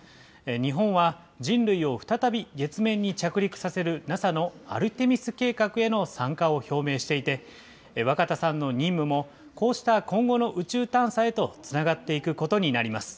日本は、人類を再び月面に着陸させるＮＡＳＡのアルテミス計画への参加を表明していて、若田さんの任務もこうした今後の宇宙探査へとつながっていくことになります。